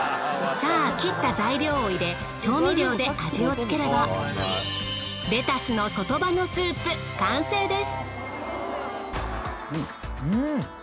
さぁ切った材料を入れ調味料で味をつければレタスの外葉のスープ完成です。